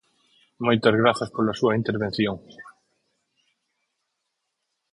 Moitas grazas pola súa intervención.